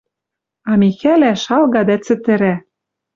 А Михӓлӓ шалга дӓ цӹтӹрӓ.